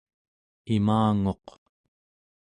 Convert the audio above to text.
imanguq